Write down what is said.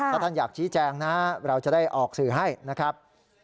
ถ้าท่านอยากชี้แจงนะเราจะได้ออกสื่อให้นะครับ